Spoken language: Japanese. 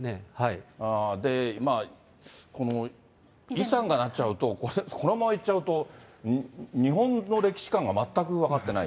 で、このイさんがなっちゃうと、このままいっちゃうと、日本の歴史観が全く分かってない。